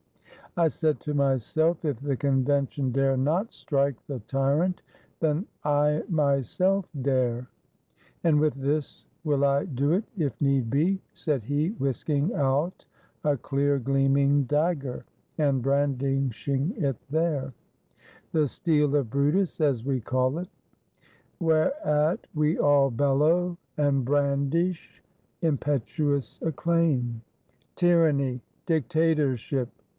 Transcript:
I said to myself, if the Convention dare not strike the Tyrant, then I myself dare ; and with this will I do it if need be," said he, whisking out a clear gleaming Dag ger, and brandishing it there: the Steel of Brutus, as we call it. — Whereat we all bellow, and brandish, impetu ous acclaim. "Tyranny! Dictatorship!